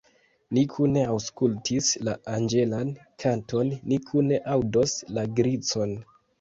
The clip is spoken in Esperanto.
Ni kune aŭskultis la anĝelan kanton, ni kune aŭdos la grincon.